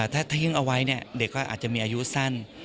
ถ้าทิ้งเอาไว้เด็กก็อาจจะมีอายุสั้น